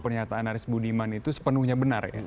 pernyataan aris budiman itu sepenuhnya benar ya